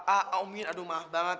aumir aduh maaf banget